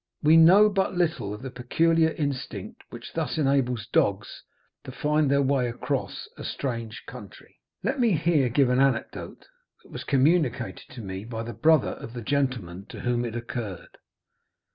We know but little of the peculiar instinct which thus enables dogs to find their way across a strange country. Let me here give an anecdote that was communicated to me by the brother of the gentleman to whom it occurred.